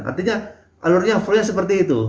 artinya alurnya flow nya seperti itu